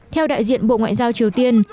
theo đại diện bộ ngoại giao triều tiên